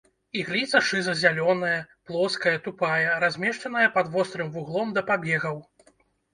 Ігліца шыза-зялёная, плоская, тупая, размешчаная пад вострым вуглом да пабегаў.